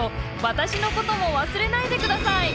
私のことも忘れないで下さい！